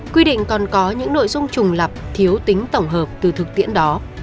quy định còn có những nội dung trùng lập thiếu tính tổng hợp từ thực tiễn đó